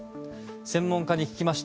専門家に聞きました。